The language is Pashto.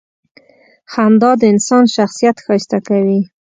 • خندا د انسان شخصیت ښایسته کوي.